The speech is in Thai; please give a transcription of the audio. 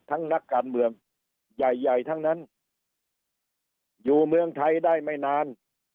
นักการเมืองใหญ่ใหญ่ทั้งนั้นอยู่เมืองไทยได้ไม่นาน